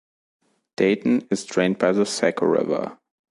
Dayton is drained by the Saco River.